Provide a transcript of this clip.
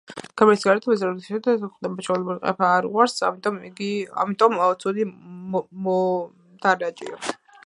გერმანიის გარეთ ევრაზიერი იშვიათად გვხვდება, ჩვეულებრივ, ყეფა არ უყვარს, ამიტომ ცუდი მოდარაჯეა.